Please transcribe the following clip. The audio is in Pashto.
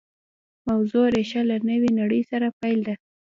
موضوع ریښه له نوې نړۍ سره پیل ده